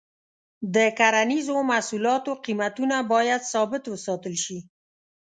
د کرنیزو محصولاتو قیمتونه باید ثابت وساتل شي.